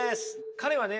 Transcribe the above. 彼はね